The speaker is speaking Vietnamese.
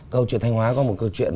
câu chuyện thanh hóa có một câu chuyện